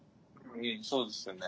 そうですよね。